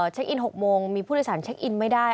เช็คอิน๖โมงมีผู้โดยสารเช็คอินไม่ได้